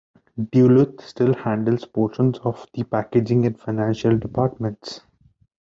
Duluth still handles portions of the packaging and financial departments.